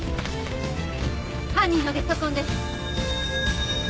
犯人のゲソ痕です。